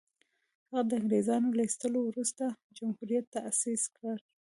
هغه د انګرېزانو له ایستلو وروسته جمهوریت تاءسیس کړي.